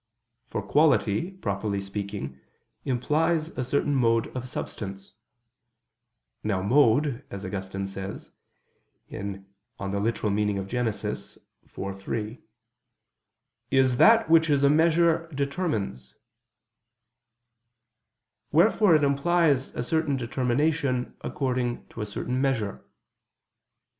For quality, properly speaking, implies a certain mode of substance. Now mode, as Augustine says (Gen. ad lit. iv, 3), "is that which a measure determines": wherefore it implies a certain determination according to a certain measure.